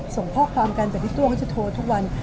ส่งข้อความกันแต่พี่ตัวเขาจะโทรทุกวัน